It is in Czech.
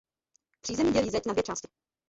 Přízemí dělí zeď na dvě části.